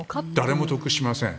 誰も得をしません。